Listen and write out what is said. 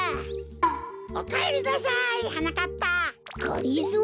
おかえりなさいはなかっぱ。がりぞー！？